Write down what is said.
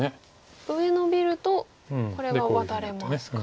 上ノビるとこれはワタれますか。